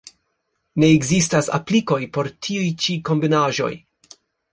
Ne ekzistas aplikoj por tiuj ĉi kombinaĵoj.